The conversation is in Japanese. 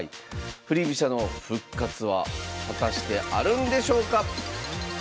振り飛車の復活は果たしてあるんでしょうか